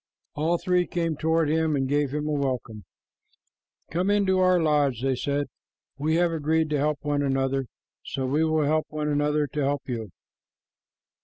All three came toward him and gave him a welcome. "Come into our lodge," they said. "We have agreed to help one another, so we will help one another to help you."